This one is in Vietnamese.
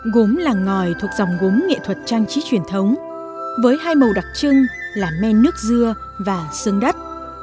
gốm làng ngòi thuộc dòng gốm nghệ thuật trang trí truyền thống với hai màu đặc trưng là men nước dưa và xương đất